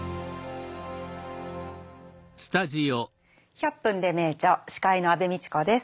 「１００分ｄｅ名著」司会の安部みちこです。